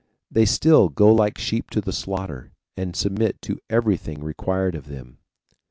They still go like sheep to the slaughter, and submit to everything required of them.